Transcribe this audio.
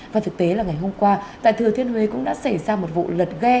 và thực tế là ngày hôm qua tại thừa thiên huế cũng đã xảy ra một vụ lật ghe